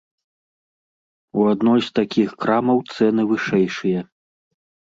У адной з такіх крамаў цэны вышэйшыя.